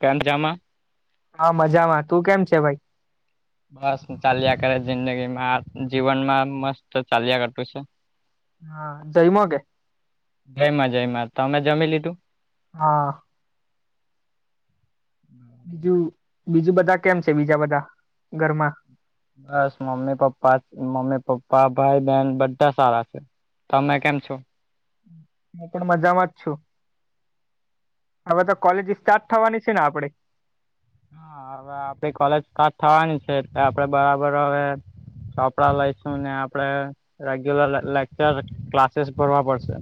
કેમ મજા મા હા મજામાં તું કેમ છે ભાઈ બસ ચાલ્યા કરે જિંદગી માં જીવન માં મસ્ત ચાલ્યા કરતું છે હા જયમા કેે જયમાં જયમાં તમે જમી લીધું હા બીજું બીજું બધા કેમ છે. બીજા બધા ઘરમાં બસ મમ્મી પપ્પા મમ્મી પપ્પા ભાઈ બહેન બધા સારા છે તમે કેમ છો હું પણ મજામાં જ છું. હવે તો કોલેજ સ્ટાર્ટ થવાની છે. ને આપણે હા હવે આપડી કોલેજ સ્ટાટ થવાની છે એટલે આપડે બરાબર હવે ચોપડા લઈશું ને આપડે રેગ્યુલર લેક્ચર ક્લાસીસ ભરવા પડશે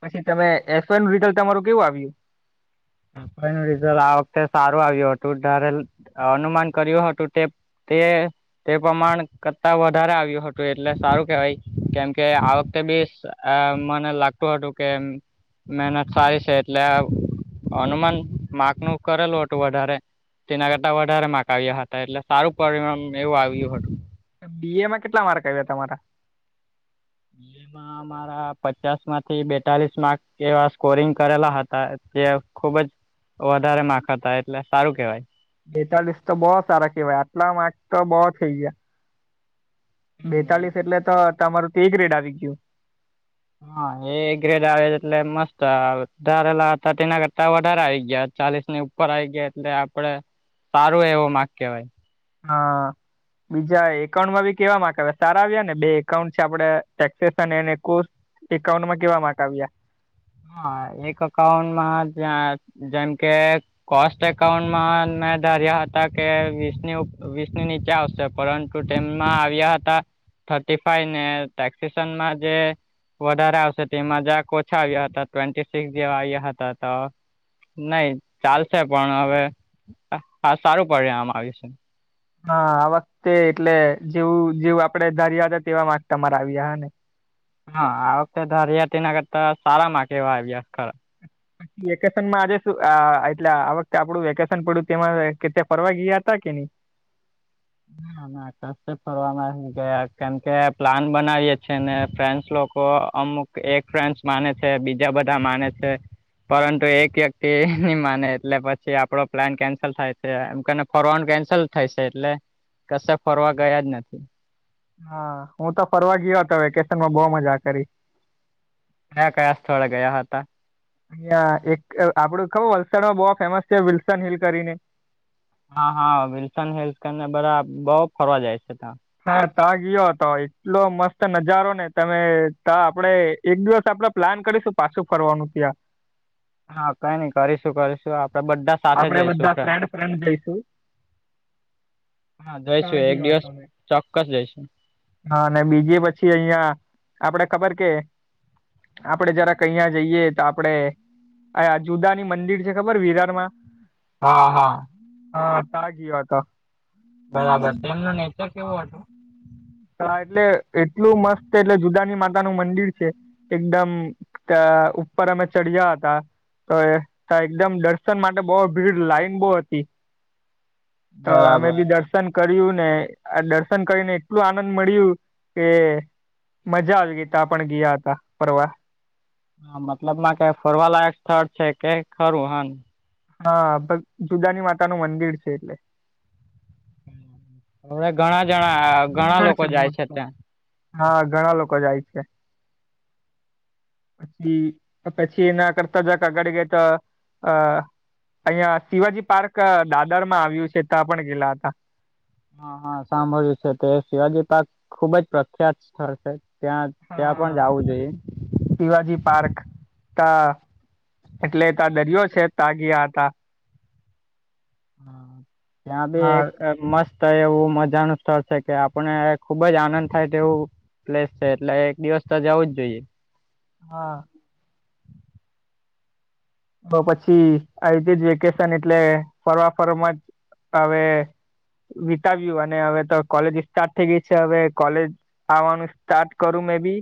પછી તમે એસ એન રીટલ તમારું કેવું આવ્યું રિઝલ્ટ આ વખતે સારું આવ્યું હતું જયારે અનુમાન કર્યું હતું તે તે તે પ્રમાણ કરતા વધારે આવ્યું હતું એટલે સારું કેહેવાય કેમકે આ વખતે બી આ મને લાગતું હતું કે મહેનત સારી છે એટલે અનુમાન માકૅ નું કરેલું હતું વધારે તેના કરતા વધારે માકૅ આવ્યા હતા એટલે સારું પરિણામ એવું આવ્યું હતું બીએ માં કેટલા માર્ક આવ્યા તમારા બીએ માં મારા પચાસ માંથી બેતાલીસ માર્ક એવા સ્કોરિંગ કરેલા હતા તે ખુબ જ વધારે માકૅ હતા એટલે સારું કેવાય બેતાલીસ તો બહુ સારા કેવાય આટલા માર્ક તો બહુ થઇ ગયા બેતાલીસ એટલે તો તમારું તો સી ગ્રેટ આવી ગયું હા એ ગ્રેડ આવે એટલે મસ્ત વધારેલા થટી ના કરતા વધારે આવી ગયા ચાલીસ ની ઉપર આઈ ગયા એટલે આપડે સારું એવું માકૅ કવાય હા. બીજા એકાઉન્ટમાં બી કેવા માકૅ આવે સારા આવ્યા ને બે એકાઉન્ટ છે આપડે ટેક્સેેશન એને એકાઉન્ટમાં કેવા માટે માકૅ આવ્યા હા એક અકાઉન્ટમાં જેમ કે કોસ્ટ એકાઉન્ટમાં મેં ધાર્યા હતા કે વીસની ઉપર વીસની નીચે આવશે પરંતુ મમાં આવ્યા હતા થર્ટી ફાઈ ને ટેક્સસનમાં જે વધારે આવશે તેમાં જારક ઓછા આવ્યા હતા ટ્વેન્ટી સિક્સ જે વા હતા તો નહી ચાલશે પણ હવે હા સારું પરીણામ આવી છે હા આ વખતે એટલે જેવું જેવું આપડે ધાર્યા હતા તેવા માકૅ તમારે આવ્યા હા ને હા આ વખતે ધારિયા તેના કરતા સારા માકૅ કેવા અભ્યાસ ખરા વેકેશનમાં આજે શું એટલે આ વખતે આપડું વેકેશન પડ્યું તેમાં કે્યા ફરવા ગયા હતા કે નહી હા ના ફર ગયા કેમ કે પ્લાન બનાવીએ છે ને ફ્રેન્ડસ લોકો અમુક એક ફ્રેન્ડ માને છે બીજા બધા માને છે પરંતુ એક વ્યક્તિ નહી માને એટલે પછી આપડો પ્લાન કેન્સલ થાય છે એમને ફરવાનું કેન્સલ થાય છે એટલે કશે ફરવા ગયા જ નથી હા હું તો ફરવા ગયો હતો વેકેશન માં બહુ મજા કરી કયા કયા સ્થળે ગયા હતા અહં એક આપડું ખબર વલસાડમાં બહુ ફેમસ છે વિલ્સન હિલ કરીને હા હા વિલ્સન હેલ્સ ને બધા બઉ ફરવા જાય છે ત હા તા ગયો હતો એટલો મસ્ત નજારો ને તમે ત આપડે એક દિવસ આપડ પ્લાન કરીશું પાછું ફરવાનું ત્યાં હા કઈ નઈ કરીશું કરીશું આપડે બધા સાથે આપડે જઈશું બધા ફ્રેન્ડ ફ્રેન્ડ જઈશું હા જઈશું ત્યાં એક ગયો દિવસ હતો મેં ચોક્કસ જઈશું હા અને બીજી પછી અહિયાં આપડે ખબર કે આપડે જરા અહીયા જઈએ તો આપડે આયા જુદા ની મંદિર છે ખબર વિરાર માં હા હા હા તા ગીયો તો બરાબર તેમનો નેચર કેવો હતો હા એટલે એટલું મસ્ત એટલે જુદાની માતા નું મંદિર છે એકદમ તે ઉપર અમે ચડ્યા હતા તો એ એકદમ દર્શન માટે બહુ ભીડ લાઈન બહુ હતી તો અમે બરાબર બી દર્શન કર્યું ને આ દર્શન કરીને એટલું આનંદ મળ્યું કે મજા આવી ગઈ તા પણ ગયા હતા ફરવા હા મતલબ માં કં ફરવાલાયક સ્થળ છે કે ખરું હ હા જુદાની માતા નું મંદિર છે એટલે હવે ઘણા જણા ઘણા ડુંગર લોકો જાય છે મોટો ત્યાં હા ઘણા લોકો જાય છે. પછી પછી એના કરતા જક આગળ ગઈ તો આ. અહિયાં શિવાજી પાર્ક દાદર માં આવ્યું છે ત્યાં પણ ગેલા હતા. હા હા સાંભળ્યું છે તે શિવાજી પાર્ક ખુબ જ પ્રખ્યાત સ્થળ છે ત્યાં ત્યાં પણ હા જવું જોઈએ શિવાજી પાર્ક તા એટલે ત્યાં દરિયો છે તા ગયા હતા હા ત્યાં ભી હા એક મસ્ત. તો એવું મજાનું સ્થળ છે કે આપણે ખુબ જ આનંદ થાય તેવું. પ્લેસ છે એટલે એક દિવસ તો જાવું જ જોઈએ. હા. તો પછી આવી જે વેકેશન એટલે ફરવા ફરવા મજ હવે. વિતાવ્યું અને હવે તો કોલેજ સ્ટાર્ટ થઈ ગઈ છે હવે કોલેજ આવવાનું સ્ટાર્ટ કરું મેં બી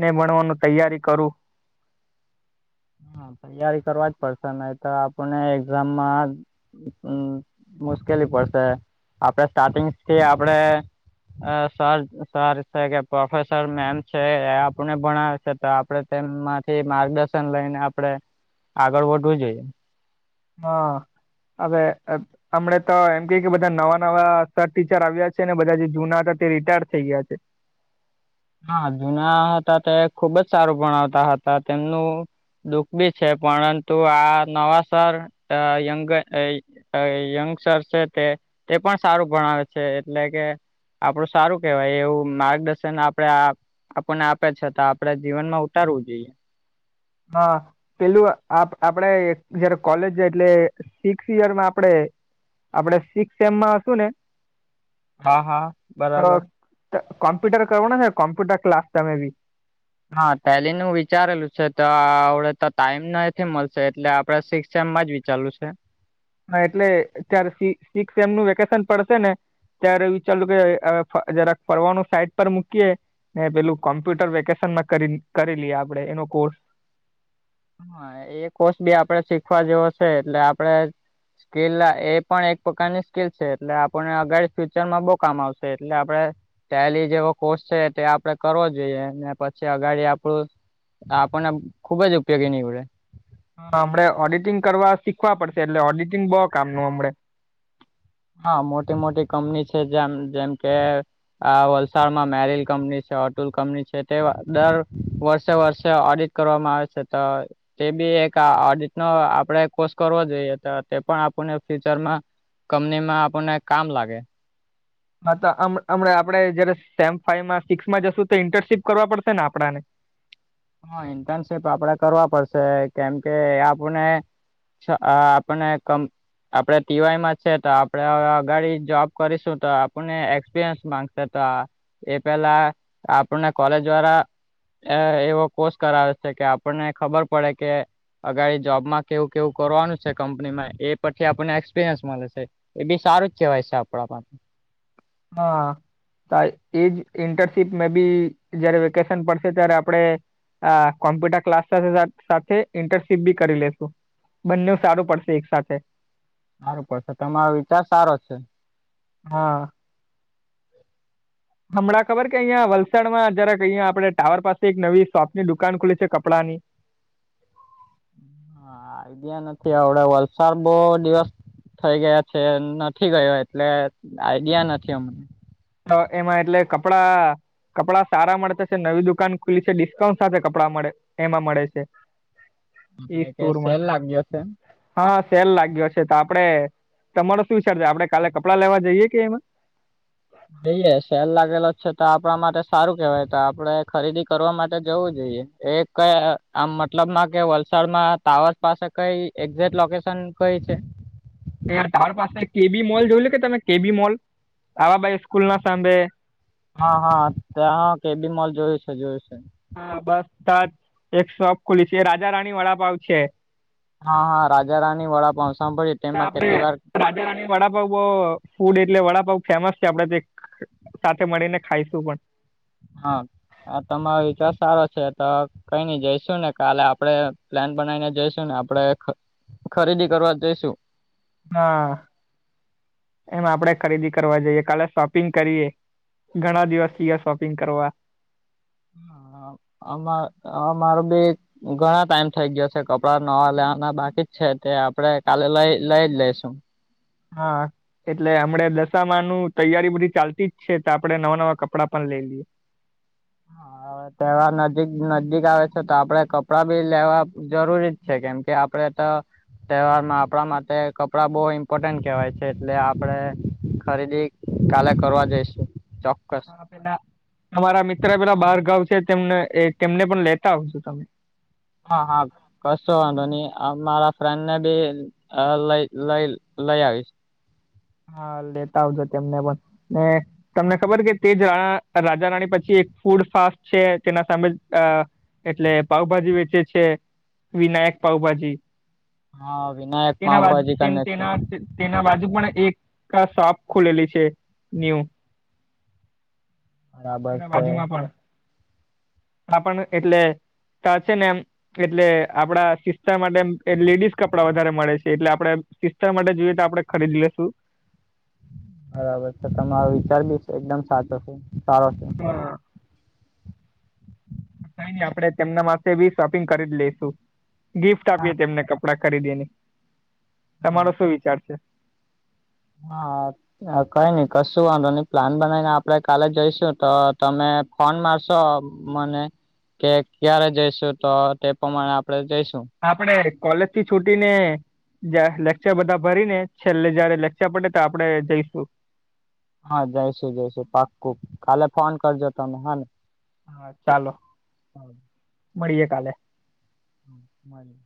ને ભણવાનું તૈયારી કરું. હા તૈયારી કરવા જ પડશે ન‌ઇ તો આપણને એક્ઝામમાં. હમ મુશ્કેલી પડશે આપડે સ્ટાર્ટિંગ થી આપડે. અ સર સર છે કે પ્રોફેસર મેમ છે એ આપને ભણાવે છે તો આપડે. તેમમાંથી માર્ગદર્શન લઈને આપણે આગળ વધવું જોઈએ. હા અવે. હમડે તો એમ ક કે બધા નવા નવા સર ટીચર આવ્યા છે ને બધા જે જૂના હતા તે રિટાયડ થઈ ગયા છે. હા જુના હતા તે ખુબ જ સારું ભણાવતા હતા તેમનું. દુઃખ બી છે પરંતુ આ નવા સર‌ અ યંગ યે. યંગસ્ટર છે તે તે પણ સારું ભણાવે છે એટલે કે. આપડું સારું કેવાય એવું માર્ગદર્શન આપ. આપે આપણને આપે છતાં આપડે જીવનમાં ઉતારવું જોઈએ. હા પેલું આપ આપડે જયારે કોલેજ જાય એટલે. સિક્સ યરમાં આપણેે આપડે સિક્સ સેમ માં હશું ને. હા હા બરાબર. તો કોમ્પ્યુટર કરવુ ને કોમ્પ્યુટર ક્લાસ તમે બી. હા ટેલી નુ વિચારેલું છે તો આવડે તો ટાઈમ નથી મળશે એટલે આપડે શિક્. શેમાં જ વિચારું છે. હા એટલે ત્યારે સિ સિક્સ સેમ નું વેકેશન પડશે ને. ત્યારે વિચારું કે અ જરા ફરવાનું સાઈટ પર મૂકીયે. એ પેલું કોમ્પ્યુટર વેકેશનમાં કરી કરીલી એ આપડે એનો કોર્સ. હા એ કોર્સ બી આપડે શીખવા જેવો છે એટલે આપડે. સ્કીિલ એ પણ એક પ્રકારની સ્કીિલ છે એટલે આપણને અગાળ ફ્યુચર માં બહુ કામ આવશે એટલે આપણે. ટેલી જેવો કોર્ષ છે તે આપડે કરવો જોઈએ પછી અગાડી આપણું આપણને ખુબ જ ઉપયોગી નીવડે. હા આપણે ઓડિટિંગ કરવા શીખવા પડશે એટલે ઓડિટિંગ બહુ કામનું આપણે. હા મોટી મોટી કંમની છે જેમ જેમ કે. આ વલસાડમાં મેરિલ કંપની છે અટુલ કંપની છે તે દર વર્ષે વર્ષે ઓડિટ. કરવામાં આવે છે ત. તે બી એક ઓડિટ નો આપડે કોર્સ કરવો જોઈએ તો તે પણ આપણને ફ્યુચરમાં. કંમની માં આપણને કામ લાગે. હા તો હમ હમણાં આપડે જયારે સેમ ફાઈવમાં સિક્સમાં જશું તો ઇન્ટર્નશીપ કરવા પડશે ને આપણાને. હા ઇન્ટર્નશીપ આપડે કરવા પડશે કેમ કે આપણે અ આપણે કમ. આપડે ટીવાયમાં છે તો આપડે હવે અગાડી જોબ કરીશું તો આપણને એક્સપિરિયન્સ માંગશે. તો એ પેલા આપને કોલેજ વાળા એવો કોષ કરાવે છે કે આપણને ખબર પડે કે અગળ જોબમાં કેવું કેવું કરવાનું છે કંપનીમાં એ પછી આપણને એક્સપિરિયન્સ મળે છે. એ બી સારું જ કહેવાય છે આપણા પાસે હા. એજ ઇન્ટર્નશીપ મે બી જયારે વેકેશન પડશે ત્યારે આપણે. અ કોમ્પ્યુટર ક્લાસ સાથે સાથે ઇન્ટર્નશીપ બી કરી લેશુ. બંને સારું પડશે એક સાથે. સારું પડશે તમારો વિચાર સારો છે. હા. હમણાં ખબર કે અહિયાં વલસાડમાં જરાક અહીયા આપડણે ટાવર પાસે એક નવી શોપની દુકાન ખુલી છે કપડાંની. હા આઈડિયા નથી આવડે વલસાડ બો દિવસ. થઈ ગયા છે નથી ગયો એટલે આઈડિયા નથી અમને તો એમાં એટલે કપડા કપડાં સારા મળતા છે નવી દુકાન ખુલ્લી છે ડિસ્કાઉન્ટ સાથે કપડાં મળે એમાં મળે છે. ઈ એટલે કે સુર માં સેલ લાગ્યો છે. હા હા સેલ લાગ્યો છે તો આપડે તમારો શું વિચારજ આપડણે કાલે કપડાં લેવા જઈએ કે એમાં જઈએ સેલ લાગેલો છે તો આપણા માટે સારું કેવાય તો આપડે ખરીદી કરવા માટે જવું જોઈએ એક કઈ આમ મતલબમાં કે વલસાડમાં ટાવર પાસે કઈ એક્ઝેક્ટ લોકેશન કઈ છે. [inaudible] તાર પાસે કે બી મોલ જોયું લ તમે કે બી મોલ આવાબાઈ સ્કૂલ ના સાભે હા હા ત્યાં કે બી મોલ જોયું છે જોયું છે. હા બસ ત જ એક શોપ ખુલી છે રાજા રાણી વડા ભાવ છે. હા હા રાજા રાની વડા પાંસમાં પડે આપડે રાજધા વડાપાાવ બ ફૂડ એટલે વડાપાઉ ફેમસ છે આપડે સાથે મળીને ખાઈશું પણ હા આ તમારો વિચાર સારો છે તો કઈ નઈ જઈશું ને કાલે આપણે પ્લાન બનાવીને જઈશું ને આપડે ખરીદી કરવા જઈશું હા એમ આપડે ખરીદી કરવા જઈએ કાલે શોપિંગ કરીએ ઘણા દિવસ થ ગયા શોપિંગ કરવા અમાર અમારો બી ઘણા ટાઈમ થઇ ગયો છે કપડા નવા લેવાના બાકી જ છે તે આપડે કાલે લઈ લઈ જ લઈશું હા એટલે હમણે દશામાં નું તૈયારી બધી ચાલતી જ છે તો આપડણે નવા નવા કપડા પણ લઈ લઈએ હા. તેવા નજીક નજીક આવે છે તો આપડે કપડાં ભી લેવા જરૂરી જ છે કેમ કે આપડે તો તહેવારમાં આપણા માટે કપડાં બહુ ઇમ્પોર્ટન્ટ કહેવાય છે એટલે આપડે ખરીદી કાલે કરવા જઈશ ચોક્કસ પે તમારા મિત્ર પેલા બારગં છે તેમને તેમને પણ લેતા આવ છો તમે હા હા. કશો વાંધો નઈ મારા ફ્રેન્ડને બી લઈ લઈ લઈ આવીશ હા લેતા આવજો તેમને પણ ને તમને ખબર કે તે જ રાણા રાજા રાણી પછી એક ફૂડ ફાસ્ટ છે તેના સામેજ અ એટલે પાઉભાજી વેચે છે વિનાયક પાઉભાજી હા વિનાયક તેના બાદ પાઉભાજી કરીને છે તેના તેના બાજુ પણ એક શોપ ખુલેલી છે ન્યૂ. બરાબર એના છે. આપ પણણ એટલે ત છે ને એમ એટલે આપડા સિસ્તાર માટે લેડીઝ કપડા વધારે મળે છે એટલે આપડે સિસ્ટર માટે જોઈએ તો આપડણે ખરીદી લેશું. બરાબર તો તમારો વિચાર બી એકદમ સાચો છે સારો છે. હા થઈ આપડણે તેમના માટે બી શોપિંગ કરી લઈસુ ગિફ્ટ હા. આપીએ તેમને કપડા ખરીદીની હા તમારો તો શું વિચાર છે? હા. કઈ નઈ કશું વાંધો ની પ્લાન બનાવીને આપડે કાલે જઈશું તો તમે ફોન મારશો મને કે ક્યારે જઈશું તો તે પ્રમાણે આપણેે જઈશું. આપડે કોલેજ થી છૂટીને જ લેક્ચર બધા ભરી ને છેલ્લે જ્યારે લેક્ચર પટે તે આપડે જઈશું. હા જઈશું જઈશું પાક્કુ કાલે ફોન કરજો તમે હાને ચાલો મળીએે કાલે મલી